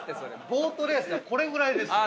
ボートレースこれぐらいですよ。